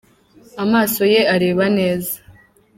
Amaso ye areba neza.